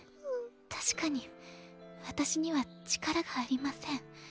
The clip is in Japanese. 確かに私には力がありません。